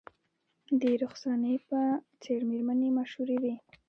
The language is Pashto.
د رخسانې په څیر میرمنې مشهورې وې